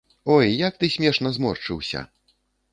Ой, як ты смешна зморшчыўся!